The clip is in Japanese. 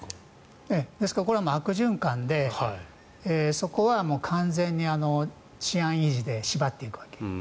ですからこれは悪循環でそこは完全に治安維持で縛っていくわけ。